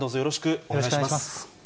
お願いします。